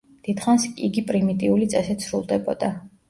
დიდხანს იგი პრიმიტიული წესით სრულდებოდა.